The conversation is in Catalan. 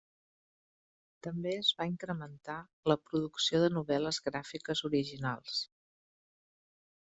També es va incrementar la producció de novel·les gràfiques originals.